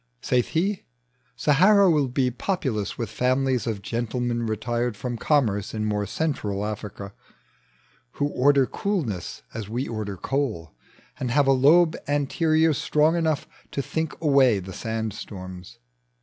Saith he, Sahara will be populous With families of gentlemen retired From commerce in more Central Africa, Who order coolness as we oi'der coal, And have a lobe anterior strong enougn To think away the sand storms.